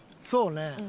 そうね。